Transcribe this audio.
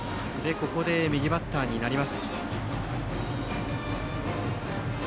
ここで右バッターになります